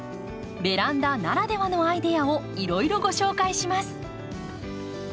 ベランダならではのアイデアをいろいろご紹介します。